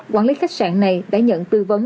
quản lý khách sạn này đã nhận tư vấn